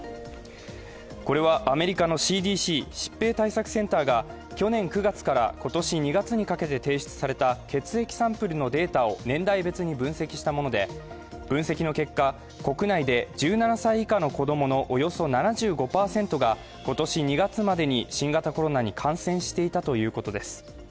これはアメリカのＣＤＣ＝疾病対策センターが去年９月から今年２月にかけて提出された血液サンプルのデータを年代別に分析したもので、分析の結果、国内で１７歳以下の子供のおよそ７５％が、今年２月までに新型コロナに感染していたということです。